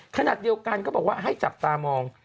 ขณะเดียวกันก็บอกว่าให้จับตามอง